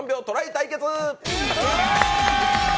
対決！